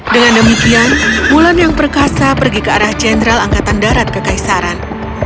dengan demikian wulan yang perkasa pergi ke arah jenderal angkatan darat kekaisaran